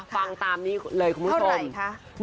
ฟังตามนี้เลยคุณผู้ชม